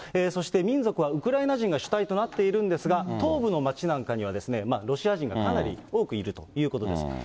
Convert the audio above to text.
そして民族はウクライナ人が主体となっているんですが、東部の街なんかには、ロシア人がかなり多くいるということです。